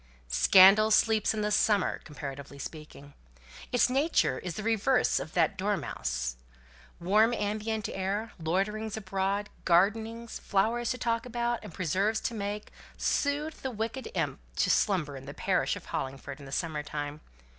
Scandal sleeps in the summer, comparatively speaking. Its nature is the reverse of that of the dormouse. Warm ambient air, loiterings abroad, gardenings, flowers to talk about, and preserves to make, soothed the wicked imp to slumber in the parish of Hollingford in summer time.